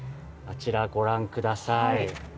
あちらご覧ください。